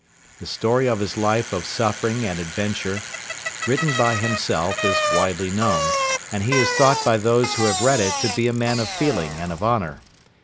The story of his life of suffering and adventure, written by himself, is widely known, and he is thought by those who have read it to be a man of feeling and of honour.